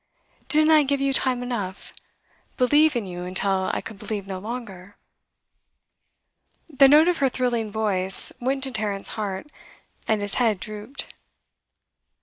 'Didn't I give you time enough believe in you until I could believe no longer?' The note of her thrilling voice went to Tarrant's heart, and his head drooped.